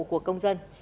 của công dân